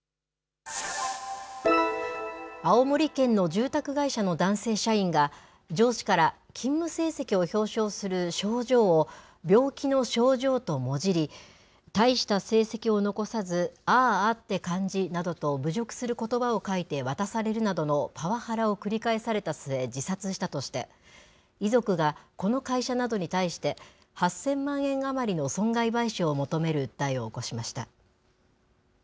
青森県の住宅会社の男性社員が、上司から勤務成績を表彰する賞状を、病気の症状ともじり、大した成績を残さずあーあって感じなどと侮辱することばを書いて渡されるなどのパワハラを繰り返された末、自殺したとして、遺族がこの会社などに対して、８０００万円余りの損害賠償を求める訴えを起こしました。